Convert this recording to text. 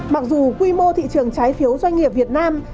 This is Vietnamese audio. mặc dù quy mô thị trường trái phiếu doanh nghiệp việt nam